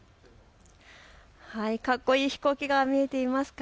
かっこいい飛行機が見えています。